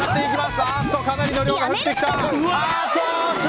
あっとかなりの量が降ってきた。